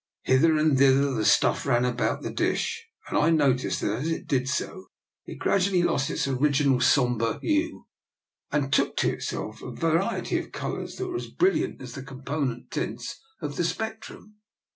Hither and thither the stuff ran about the dish, and I noticed that as it did so it gradually lost its original sombre hue and took to itself a va riety of colours that were as brilliant as the component tints of the spectrum.